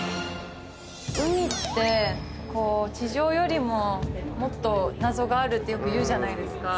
海って地上よりももっと謎があるってよくいうじゃないですか。